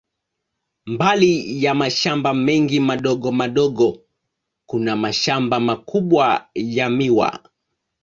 Mbali ya mashamba mengi madogo madogo, kuna mashamba makubwa ya miwa.